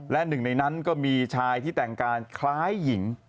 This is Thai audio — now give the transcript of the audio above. และหนึ่งในนั้นก็มีชายที่แต่งกายคล้ายหญิง